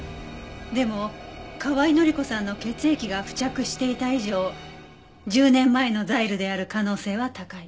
でも河合範子さんの血液が付着していた以上１０年前のザイルである可能性は高い。